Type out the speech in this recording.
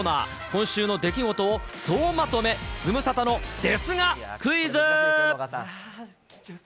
今週の出来事を総まとめ、ズムサタのですがクイズ。